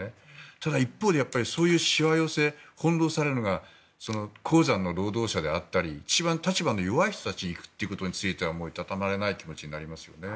ただ、一方でそういうしわ寄せで翻ろうされるのが鉱山の労働者であったり一番立場の弱い人たちに行くということについてはいたたまれない気持ちになりますよね。